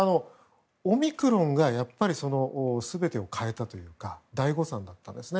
オミクロンがやっぱり全てを変えたというか大誤算だったんですね。